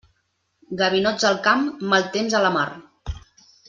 Gavinots al camp, mal temps a la mar.